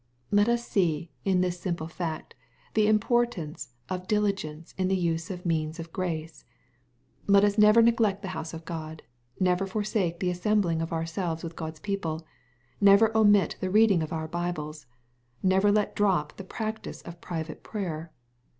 Let us see, in this simple fact, the importance of dili gence in the use of means of grace. Let us never neglect the house of God, — ^never forsake the assembling of ourselves with God's people, — ^never omit the reading of our Bibles — ^never let drop the practice of private prayer.